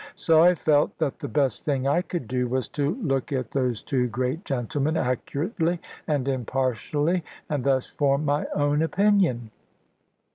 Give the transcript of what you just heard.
So I felt that the best thing I could do was to look at those two great gentlemen accurately and impartially, and thus form my own opinion.